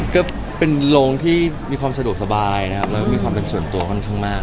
ก็เป็นโรงที่มีความสะดวกสบายนะครับแล้วก็มีความเป็นส่วนตัวค่อนข้างมาก